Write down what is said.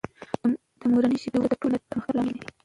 د مورنۍ ژبې وده د ټول ملت د پرمختګ لامل دی.